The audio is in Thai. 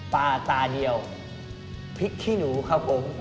ปลาตาเดียวพริกขี้หนูครับผม